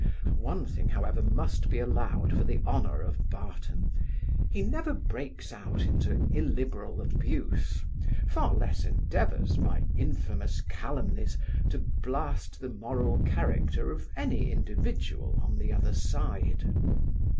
One thing, however, must be allowed for the honour of Barton, he never breaks out into illiberal abuse, far less endeavours, by infamous calumnies, to blast the moral character of any individual on the other side.